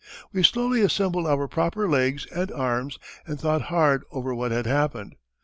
We slowly assembled our proper legs and arms and thought hard over what had happened.